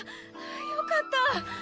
よかった。